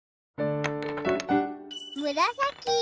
むらさき。